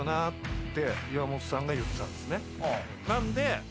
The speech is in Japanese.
って岩本さんが言ってたんですね